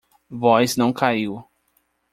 Voz não caiu